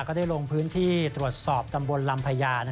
ก็ได้ลงพื้นที่ตรวจสอบตำบลลำพญา